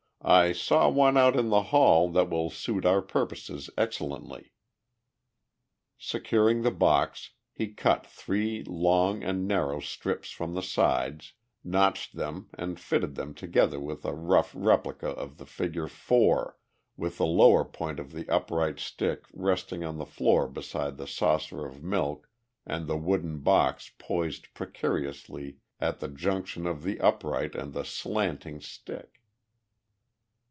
"I saw one out in the hall that will suit our purposes excellently." Securing the box, he cut three long and narrow strips from the sides, notched them and fitted them together in a rough replica of the figure 4, with the lower point of the upright stick resting on the floor beside the saucer of milk and the wooden box poised precariously at the junction of the upright and the slanting stick.